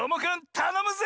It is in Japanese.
たのむぜ！